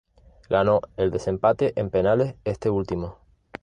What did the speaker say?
Ganó el desempate en penales este último.